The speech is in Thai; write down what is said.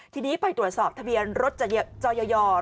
ทีนี้ไปตรวจสอบทะเบียนรถจอยอย่อรถจักรยานยนต์